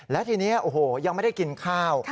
และทีนี้โอ้โหยังไม่ได้กินข้าว